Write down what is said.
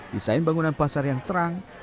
desain bangunan pasar yang terang